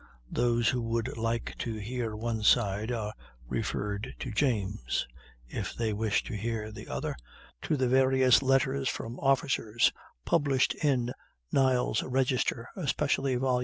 Those who would like to hear one side are referred to James; if they wish to hear the other, to the various letters from officers published in "Niles' Register," especially vol.